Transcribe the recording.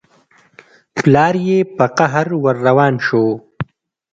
پلار يې په قهر ور روان شو.